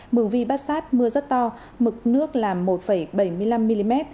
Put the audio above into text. mường vi bát sát mưa rất to mực nước là một bảy mươi năm mm